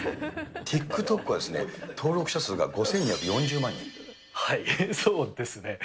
ＴｉｋＴｏｋはですね、はい、そうですね。